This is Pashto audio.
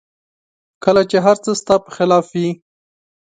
کله چې هر څه ستا په خلاف وي